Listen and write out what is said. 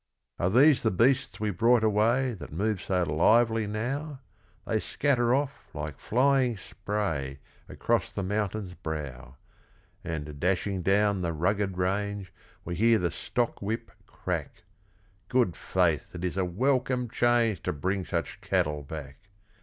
Are these the beasts we brought away That move so lively now? They scatter off like flying spray Across the mountain's brow; And dashing down the rugged range We hear the stockwhip crack, Good faith, it is a welcome change To bring such cattle back.